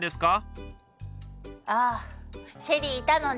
あシェリいたのね。